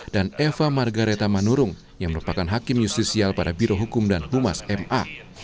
dan eva margareta manurung yang merupakan hakim justisial pada birohukum dan humas ma